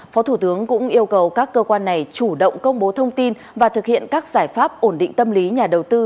phó thủ tướng cũng yêu cầu các cơ quan này chủ động công bố thông tin và thực hiện các giải pháp ổn định tâm lý nhà đầu tư